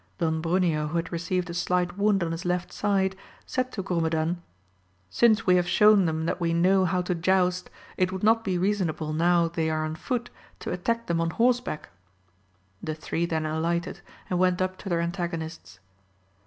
Don Bruneo who had received a slight wound in his left side, said to Grumedan, since we have shewn them that we know how to joust, it would not be reasonable now they are on foot, to attack them on horseback ; the three then alighted, and went up to their antagonists.